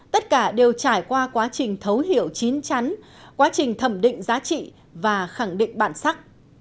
tất cả đều trải qua quá trình thấu hiểu chín chắn quá trình thẩm định giá trị và khẳng định bản sắc